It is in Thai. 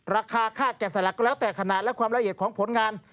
ราคาค่าแกะสลักแล้วแต่ขนาดและความละเอียดของผลงาน